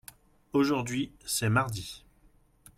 aujourd'hui c'est mardi.